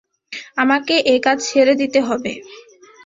আমাকে একাজ ছেড়ে দিতে হবে।